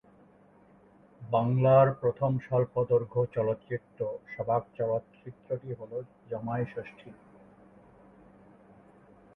বাংলার প্রথম স্বল্পদৈর্ঘ্য চলচ্চিত্র সবাক চলচ্চিত্রটি হল জামাই ষষ্ঠী।